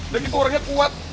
dan itu orangnya kuat